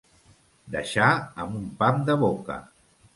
Deixar amb un pam de boca.